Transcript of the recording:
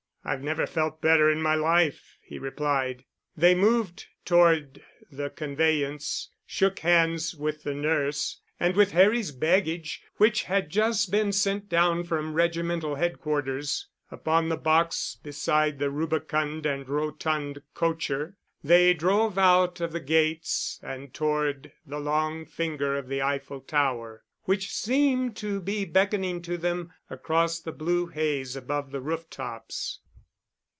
"I've never felt better in my life," he replied. They moved toward the conveyance, shook hands with the nurse, and with Harry's baggage (which had just been sent down from regimental headquarters) upon the box beside the rubicund and rotund cocher, they drove out of the gates and toward the long finger of the Eiffel Tower which seemed to be beckoning to them across the blue haze above the roof tops.